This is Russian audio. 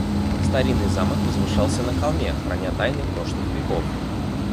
Старинный замок возвышался на холме, храня тайны прошлых веков.